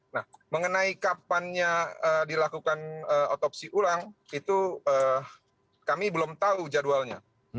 nah mengenai kapannya dilakukan otopsi ulang itu kami belum tahu jadwalnya